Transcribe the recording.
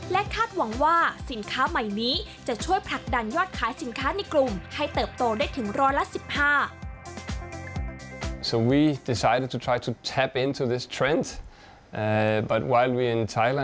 คาดหวังว่าสินค้าใหม่นี้จะช่วยผลักดันยอดขายสินค้าในกลุ่มให้เติบโตได้ถึงร้อยละ๑๕